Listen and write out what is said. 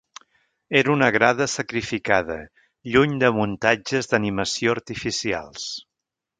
Era una grada sacrificada, lluny de muntatges d’animació artificials.